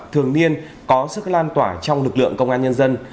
thường niên có sức lan tỏa trong lực lượng công an nhân dân